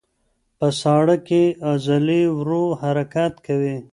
په ساړه کې عضلې ورو حرکت کوي.